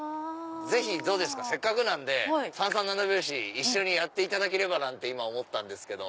ぜひせっかくなんで一緒にやっていただければなんて今思ったんですけど。